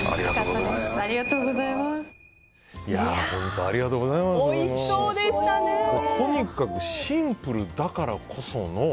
とにかくシンプルだからこその。